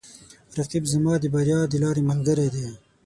رقیب زما د بریا د لارې ملګری دی